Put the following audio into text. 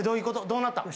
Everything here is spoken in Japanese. どうなったん？